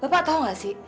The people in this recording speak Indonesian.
bapak tahu gak sih